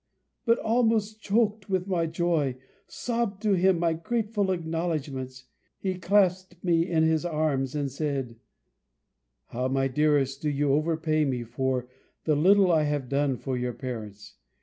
But, almost chok'd with my joy, sobb'd to him my grateful acknowledgments. He clasped me in his arms, and said, "How, my dearest, do you overpay me for the little I have done for your parents!